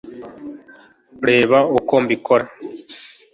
reba uko mbikora